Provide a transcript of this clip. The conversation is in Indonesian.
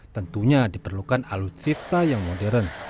tentunya diperlukan alutsista yang modern